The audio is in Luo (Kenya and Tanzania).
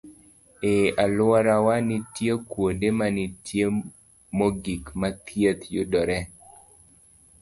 E alworawa, nitie kuonde matinie mogik ma thieth yudoree